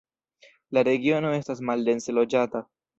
La regiono estas maldense loĝata.